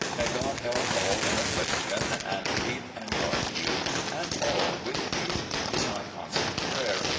May God help all in afflic tion and keep and guard you and all with you, is my con stant prayer.